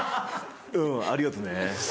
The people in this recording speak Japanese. うんありがとね。